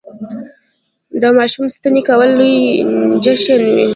د ماشوم سنتي کول لوی جشن وي.